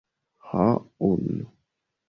Ho... unu.